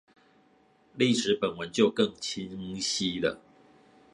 歷史本文就更清晰了